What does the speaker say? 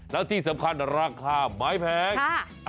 แล้วที่สำคัญราคาไม่แพง